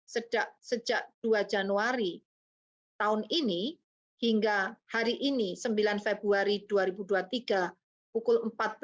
sejak dua januari tahun ini hingga hari ini sembilan februari dua ribu dua puluh tiga pukul empat belas